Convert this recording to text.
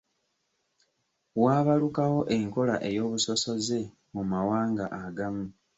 Waabalukawo enkola ey’obusosoze mu mawanga agamu.